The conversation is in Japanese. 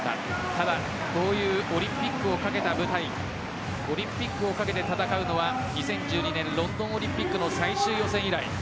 ただ、こういうオリンピックをかけた舞台オリンピックをかけて戦うのは２０１２年ロンドンオリンピックの最終予選以来。